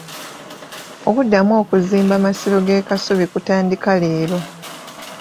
Okuddamu okuzimba amasiro g'e Kasubi kutandika leero.